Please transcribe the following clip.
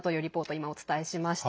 今、お伝えしました。